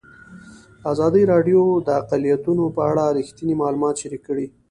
ازادي راډیو د اقلیتونه په اړه رښتیني معلومات شریک کړي.